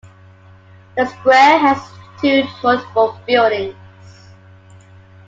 The square has two notable buildings.